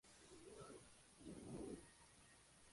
Se trata de uno de los temas clásicos del cancionero de Spinetta.